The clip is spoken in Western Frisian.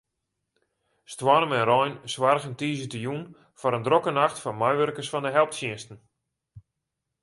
Stoarm en rein soargen tiisdeitejûn foar in drokke nacht foar meiwurkers fan de helptsjinsten.